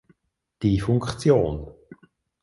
Die Funktion